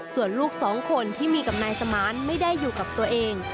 ส่วนลูกสองคนที่มีกับนายสมานไม่ได้อยู่กับตัวเอง